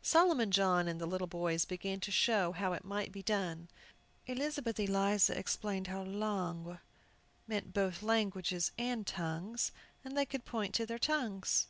Solomon John and the little boys began to show how it might be done. Elizabeth Eliza explained how "langues" meant both "languages" and "tongues," and they could point to their tongues.